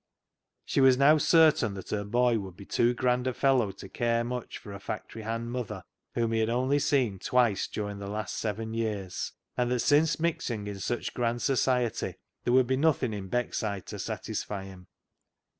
She was now certain that her boy would be too grand a fellow to care much for a factory hand mother, whom he had only seen twice during the last seven years, and that since mixing in such grand society there would be nothing in Beckside to satisfy him.